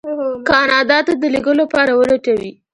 کاناډا ته د لېږلو لپاره ولټوي.